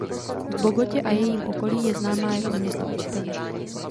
V Bogotě a jejím okolí je známa jako město učitelů.